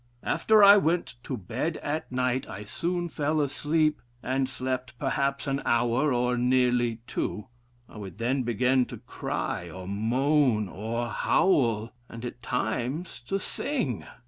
After I went to bed at night I soon fell asleep, and slept perhaps an hour or nearly two. I would then begin to cry, or moan, or howl, and at times to sing.